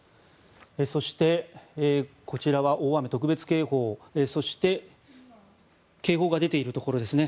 そして、こちらは大雨特別警報そして警報が出ているところですね。